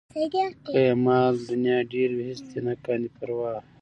که یې مال د نيا ډېر وي هېڅ دې نه کاندي پروا